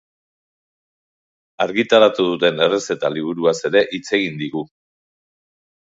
Argitaratu duten errezeta liburuaz ere hitz egin digu.